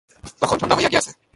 তখন সন্ধ্যা হইয়া গিয়াছে।